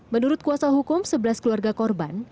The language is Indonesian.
menurut kuasa hukum sebelas keluarga korban